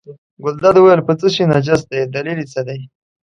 ګلداد وویل په څه شي نجس دی دلیل یې څه دی.